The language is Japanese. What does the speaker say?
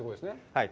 はい。